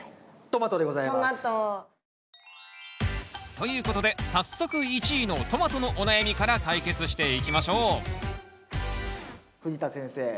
トマト。ということで早速１位のトマトのお悩みから解決していきましょう藤田先生